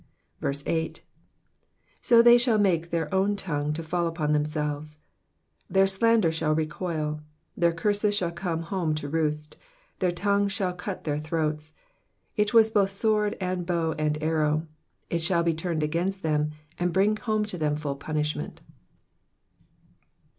8. *^So they shall make their own tongtie to fall upon themselves.'''' Their slander shall recoil. Their curses shall come home to roost. Their tongue shall cut their throats. It was both sword, and bow and arrow ; it shall bo Digitized by VjOOQIC PSALM THE SIXTY FOURTH. 155 tiimed against them, and bring home to them full punishment.